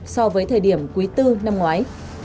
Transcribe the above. so với thời điểm cuối tư năm ngoái